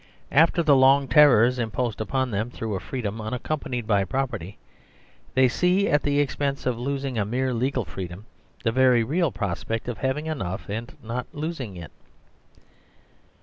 After the long terrors imposed upon them through a freedom unac companied by property, they see, at the expense of losing a mere legal freedom, the very real prospect of having enough and not losing it.